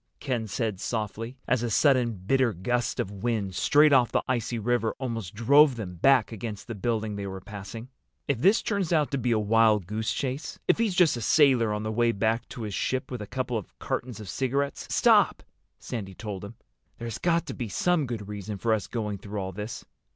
Ken said softly, as a sudden bitter gust of wind straight off the icy river almost drove them back against the building they were passing. "If this turns out to be a wild goose chase—if he's just a sailor on the way back to his ship with a couple of cartons of cigarettes—" "Stop!" Sandy told him. "There's got to be some good reason for us going through all this."